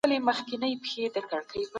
کمپيوټر شټډاون کېږي.